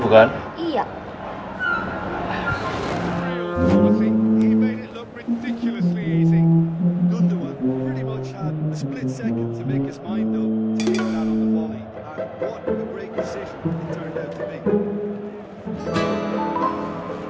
di mana kalau rp satu an